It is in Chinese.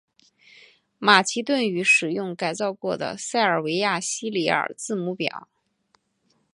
马其顿语使用改造过的塞尔维亚西里尔字母表。